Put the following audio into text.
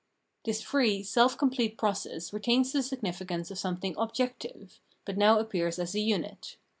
This free, self complete process retains the significance of something objective ; but now appears as a unit.